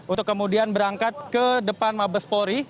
untuk kemudian berangkat ke depan mabespori